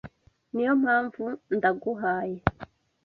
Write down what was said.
Niyo mpamvu ndaguhaye.